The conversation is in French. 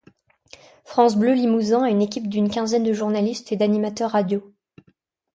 France Bleu Limousin a une équipe d'une quinzaine de journalistes et d'animateurs radio.